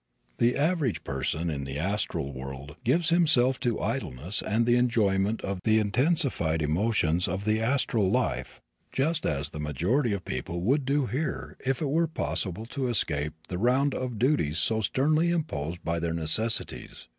The average person in the astral world gives himself to idleness and the enjoyment of the intensified emotions of the astral life just as the majority of people would do here if it were possible to escape the round of duties so sternly imposed by their necessities.